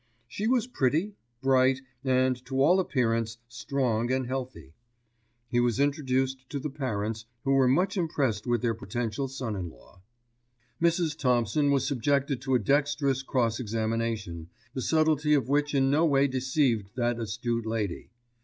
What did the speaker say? She was pretty, bright, and to all appearance, strong and healthy. He was introduced to the parents, who were much impressed with their potential son in law. Mrs. Thompson was subjected to a dexterous cross examination, the subtlety of which in no way deceived that astute lady.